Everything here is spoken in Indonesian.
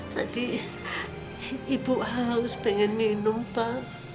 tadi ibu harus pengen minum pak